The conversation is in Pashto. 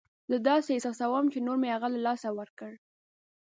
زه داسې احساسوم چې نور مې هغه له لاسه ورکړ.